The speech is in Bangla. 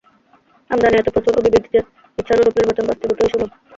আমদানী এত প্রচুর ও বিবিধ যে, ইচ্ছানুরূপ নির্বাচন বাস্তবিকই সুলভ।